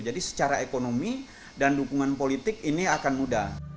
jadi secara ekonomi dan dukungan politik ini akan mudah